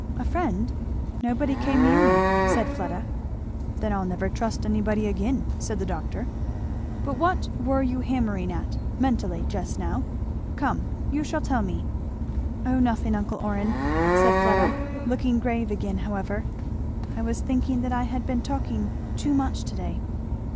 "A friend! Nobody came near me," said Fleda. "Then I'll never trust anybody again," said the doctor. "But what were you hammering at, mentally, just now? come, you shall tell me." "O nothing, uncle Orrin," said Fleda, looking grave again however; "I was thinking that I had been talking too much to day."